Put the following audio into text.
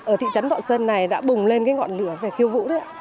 ở thị trấn thọ xuân này đã bùng lên cái ngọn lửa về khiêu vũ đấy ạ